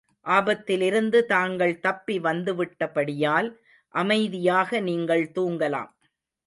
ஆபத்திலிருந்து தாங்கள் தப்பி வந்துவிட்டபடியால், அமைதியாக நீங்கள் தூங்கலாம்.